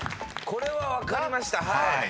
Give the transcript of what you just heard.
これは分かりました。